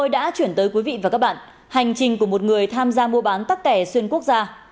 đây là thông tin của một người tham gia mua bán tắc kè xuyên quốc gia